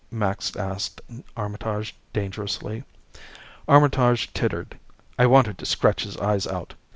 Max asked Armitage dangerously. Armitage tittered. I wanted to scratch his eyes out.